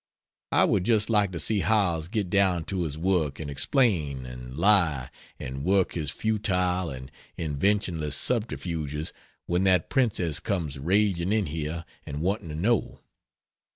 I would just like to see Howells get down to his work and explain, and lie, and work his futile and inventionless subterfuges when that princess comes raging in here and wanting to know."